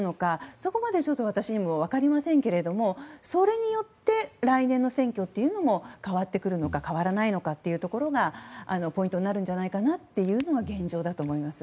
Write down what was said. そこまで私にも分かりませんけどそれによって来年の選挙も変わってくるのか変わらないのかがポイントになるんじゃないかというのが現状だと思います。